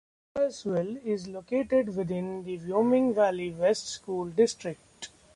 Swoyersville is located within the Wyoming Valley West School District.